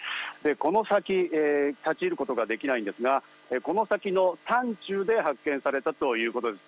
この先、立ち入ることができないんですが、この先の山中で発見されたということです。